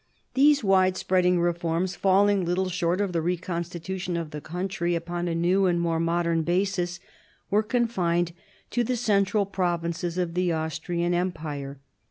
These wide spreading reforms, falling little short of the reconstitution of the country upon a new and more modern basis, were confined to the central provinces of the Austrian empire.